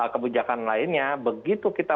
kebijakan lainnya begitu kita